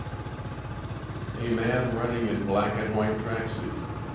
A man running in black and white tracksuit